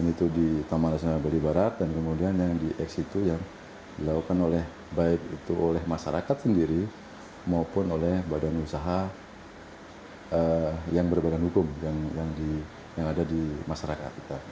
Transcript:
itu di taman nasional bali barat dan kemudian yang di ex itu yang dilakukan oleh baik itu oleh masyarakat sendiri maupun oleh badan usaha yang berbadan hukum yang ada di masyarakat